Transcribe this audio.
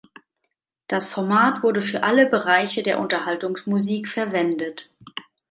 Das Format wurde für alle Bereiche der Unterhaltungsmusik verwendet.